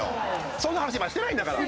そんな話今してないんだから。